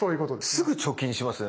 すぐ貯金しますよね。